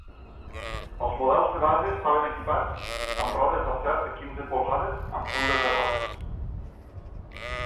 Els models de base estaven equipats amb rodes d'acer de quinze polzades amb fundes de rodes.